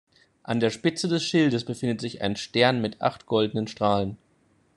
An der Spitze des Schildes befindet sich ein Stern mit acht goldenen Strahlen.